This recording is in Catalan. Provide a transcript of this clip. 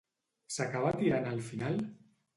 S'acaba tirant al final?